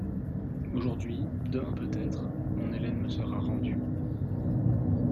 Aujourd’hui, demain peut-être, mon Ellen me sera rendue !